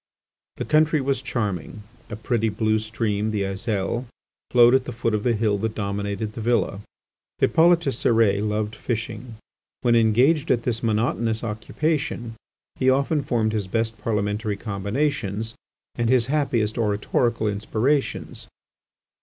The country was charming; a pretty blue stream, the Aiselle, flowed at the foot of the hill that dominated the villa. Hippolyte Cérès loved fishing; when engaged at this monotonous occupation he often formed his best Parliamentary combinations, and his happiest oratorical inspirations.